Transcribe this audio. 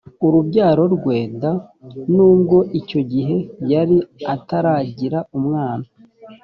urubyaro rwe d nubwo icyo gihe yari ataragira umwana